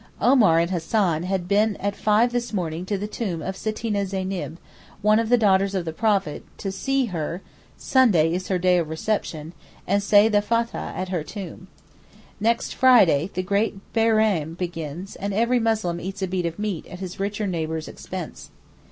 Omar and Hassan had been at five this morning to the tomb of Sittina Zeyneb, one of the daughters of the Prophet, to 'see her' (Sunday is her day of reception), and say the Fathah at her tomb. Next Friday the great Bairam begins and every Muslim eats a bit of meat at his richer neighbour's expense.